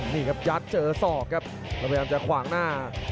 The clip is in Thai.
นี่ครับยัดเจอศอกครับแล้วพยายามจะขวางหน้า